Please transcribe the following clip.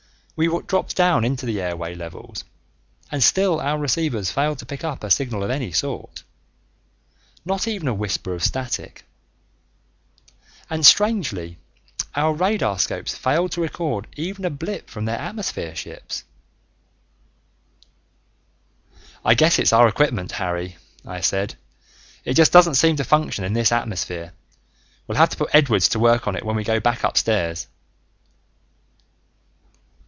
We dropped down into the airway levels, and still our receivers failed to pick up a signal of any sort not even a whisper of static. And strangely, our radarscopes failed to record even a blip from their atmosphere ships! "I guess it's our equipment, Harry," I said. "It just doesn't seem to function in this atmosphere. We'll have to put Edwards to work on it when we go back upstairs."